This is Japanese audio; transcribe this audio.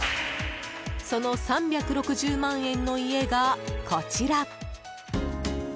その３６０万円の家がこちら。